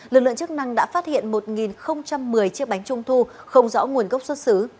lực lượng chức năng đã phát hiện một một mươi chiếc bánh trung thu không rõ nguồn gốc xuất xứ